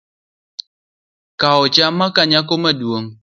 Kaocha makanyako maduong’